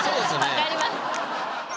分かります。